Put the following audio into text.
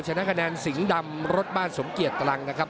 ชนะคะแนนสิงห์ดำรถบ้านสมเกียจตรังนะครับ